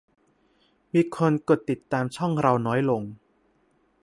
มีคนกดติดตามช่องเราน้อยลง